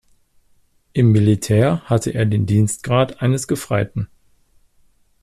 Im Militär hatte er den Dienstgrad eines Gefreiten.